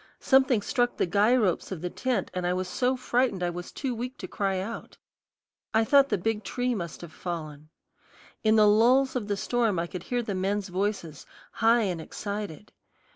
Something struck the guy ropes of the tent, and I was so frightened I was too weak to cry out. I thought the big tree must have fallen. In the lulls of the storm I could hear the men's voices, high and excited.